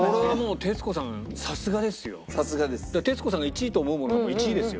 徹子さんが１位と思うものはもう１位ですよ。